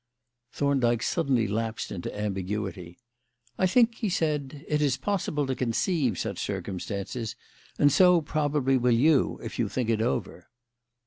Thorndyke suddenly lapsed into ambiguity. "I think," he said, "it is possible to conceive such circumstances, and so, probably, will you if you think it over."